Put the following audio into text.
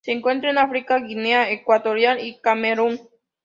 Se encuentran en África: Guinea Ecuatorial y Camerún.